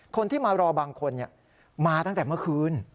คนที่มารอบางคนมาตั้งแต่เมื่อคืน